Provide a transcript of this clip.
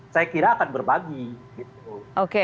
saya kira akan berbagi gitu